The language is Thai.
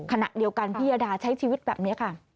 ขณะเดียวกันพี่ยดาใช้ชีวิตแบบนี้ค่ะ